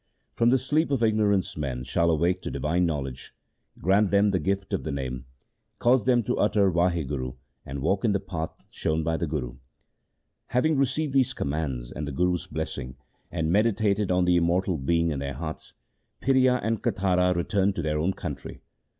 From the sleep of ignorance men shall awake to divine knowledge. Grant them the gift of the Name, cause them to utter Wahguru and walk in the path shown by the Guru.' Having received these commands and the Guru's blessing, and meditated on the Immortal Being in their hearts, Phiria and Katara returned to their own country.